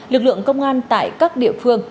lực lượng công an tại các địa phương